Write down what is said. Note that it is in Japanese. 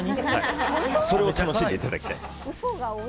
それを楽しんでいただきたい。